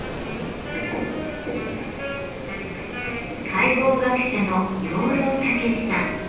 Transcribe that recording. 解剖学者の養老孟司さん。